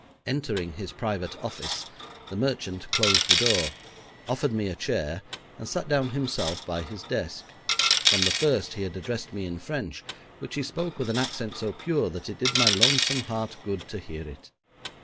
Entering his private office the merchant closed the door, offered me a chair, and sat down himself by his desk. From the first he had addressed me in French, which he spoke with an accent so pure that it did my lonesome heart good to hear it.